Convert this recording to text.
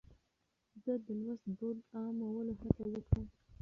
ده د لوست دود عامولو هڅه وکړه.